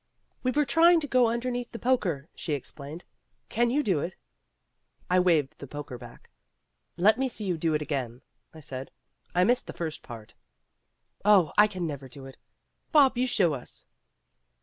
"We were trying to go underneath the poker," she explained. "Can you do it?" I waved the poker back. "Let me see you do it again," I said. "I missed the first part." "Oh, I can never do it. Bob, you show us."